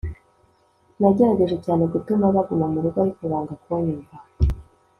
Nagerageje cyane gutuma baguma mu rugo ariko banga kunyumva